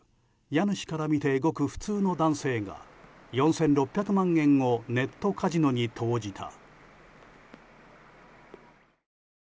家主から見てごく普通の男性が４６００万円をネットカジノに投じた。